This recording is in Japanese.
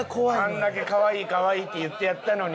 あんだけ「可愛い可愛い」って言ってやったのに。